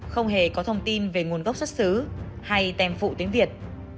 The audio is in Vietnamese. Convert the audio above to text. không hề có thông tin về nguồn gốc xuất xứ hay tem phụ tiếng việt